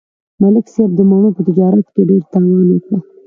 ملک صاحب د مڼو په تجارت کې ډېر تاوان وکړ.